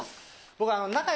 僕。